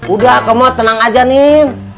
udah kamu tenang aja nih